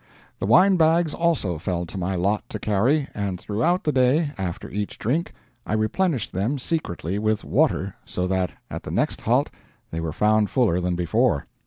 The wine bags also fell to my lot to carry, and throughout the day, after each drink, I replenished them secretly with water, so that at the next halt they were found fuller than before!